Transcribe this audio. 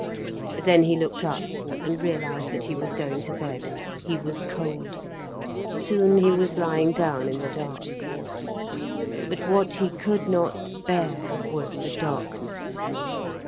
Then he looked up and realised that he was going to bed. He was cold. Soon he was lying down in the dark. But what he could not bear was the darkness.